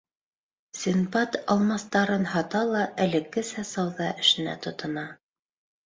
Синдбад алмастарын һата ла элеккесә сауҙа эшенә тотона.